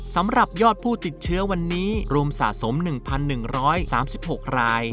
สำหรับยอดผู้ติดเชื้อวันนี้รวมสะสม๑๑๓๖ราย